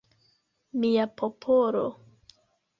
Mia popolo!